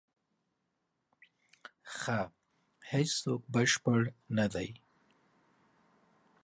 ښه، هیڅوک بشپړ نه دی.